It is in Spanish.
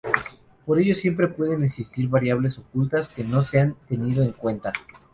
Por ello siempre pueden existir variables ocultas que no se han tenido en cuenta.